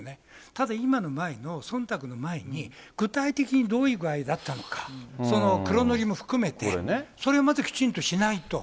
ただ今の場合のそんたくの前に、具体的にどういう具合だったのか、その黒塗りも含めて、それをまずきちんとしないと。